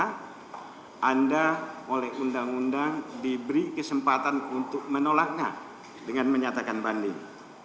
saya kira sudah oleh undang undang diberi kesempatan untuk menolaknya dengan menyatakan banding